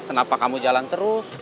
kenapa kamu jalan terus